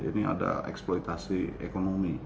ini ada eksploitasi ekonomi